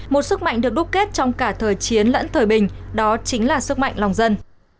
một sức mạnh được đúc kết trong cả thời chiến lẫn thời bình đó chính là sức mạnh lòng dân